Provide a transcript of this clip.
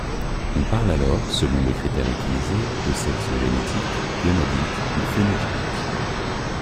On parle alors, selon le critère utilisé, de sexe génétique, gonadique ou phénotypique.